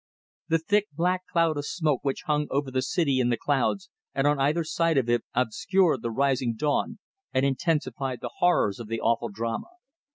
The thick black cloud of smoke which hung over the City in the Clouds and on either side of it obscured the rising dawn and intensified the horrors of the awful drama.